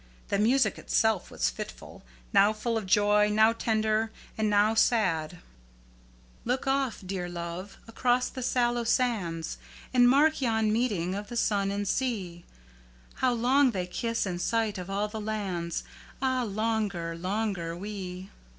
The music itself was fitful, now full of joy, now tender, and now sad: "Look off, dear love, across the sallow sands, And mark yon meeting of the sun and sea, How long they kiss in sight of all the lands, Ah! longer, longer we."